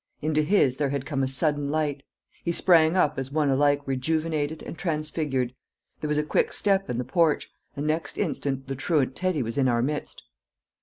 Into his there had come a sudden light; he sprang up as one alike rejuvenated and transfigured; there was a quick step in the porch, and next instant the truant Teddy was in our midst.